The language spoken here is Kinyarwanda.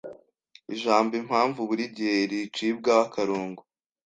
Ijambo”impamvu” buri gihe ricibwaho akarongo.